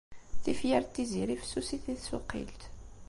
Tifyar n Tiziri fessusit i tsuqilt.